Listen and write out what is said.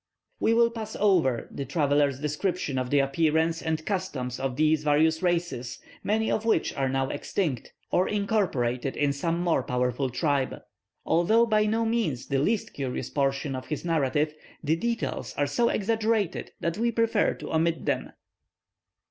We will pass over the traveller's description of the appearance and customs of these various races, many of which are now extinct, or incorporated in some more powerful tribe. Although by no means the least curious portion of his narrative, the details are so exaggerated that we prefer to omit them.